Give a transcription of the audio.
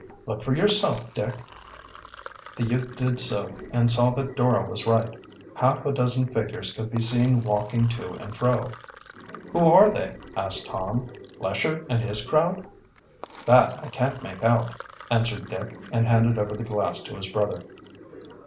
"Look for yourself, Dick." The youth did so and saw that Dora was right. Half a dozen figures could be seen walking to and fro. "Who are they?" asked Tom. "Lesher and his crowd?" "That I can't make out," answered Dick, and handed over the glass to his brother.